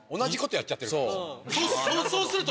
そうすると。